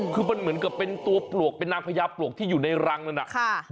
คือมันเหมือนกับเป็นตัวปลวกเป็นนางพญาปลวกที่อยู่ในรังนั้นน่ะ